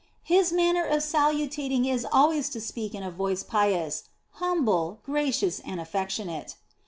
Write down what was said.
His manner of saluting is always to speak in a voice pious, humble, gracious, and affectionate.